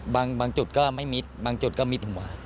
บางจุดก็ไม่มิดบางจุดก็มิดหัว